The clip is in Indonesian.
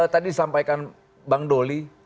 tadi disampaikan bang doli